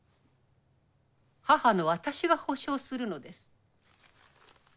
母の私が保証するのです。